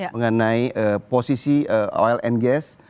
mengenai posisi oil and gas